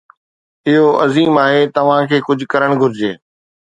اهو عظيم آهي، توهان کي ڪجهه ڪرڻ گهرجي